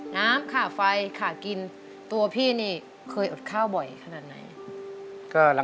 น้ำค่าไฟค่ากินตัวพี่นี่เคยอดข้าวบ่อยขนาดไหน